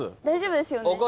大丈夫ですよね？